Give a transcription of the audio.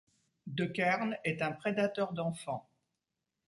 De Kern est un prédateur d’enfants.